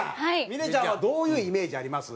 美玲ちゃんはどういうイメージあります？